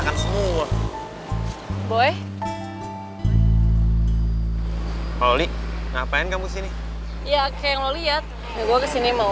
kamu mau ngomong apa aja aku gak bakal kembali lagi ke itu mall